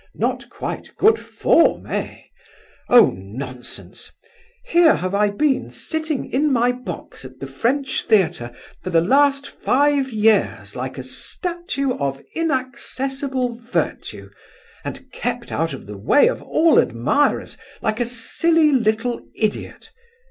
Not quite good form, eh? Oh, nonsense! Here have I been sitting in my box at the French theatre for the last five years like a statue of inaccessible virtue, and kept out of the way of all admirers, like a silly little idiot!